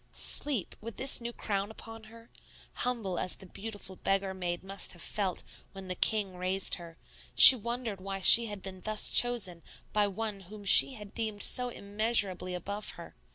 Sleep! With this new crown upon her! Humble as the beautiful beggar maid must have felt when the king raised her, she wondered why she had been thus chosen by one whom she had deemed so immeasurably above her.